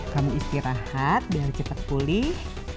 kamu istirahat biar cepat pulih